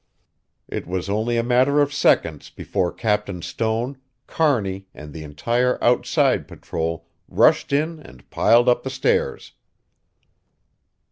It was only a matter of seconds before Captain Stone, Kearney and the entire outside patrol rushed in and piled up the stairs.